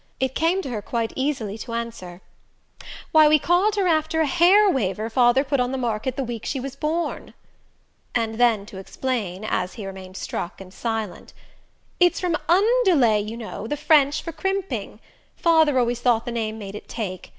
it came to her quite easily to answer: "Why, we called her after a hair waver father put on the market the week she was born " and then to explain, as he remained struck and silent: "It's from UNdoolay, you know, the French for crimping; father always thought the name made it take.